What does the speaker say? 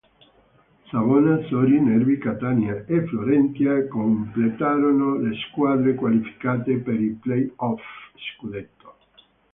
Savona, Sori, Nervi, Catania e Florentia completarono le squadre qualificate per i play-off scudetto.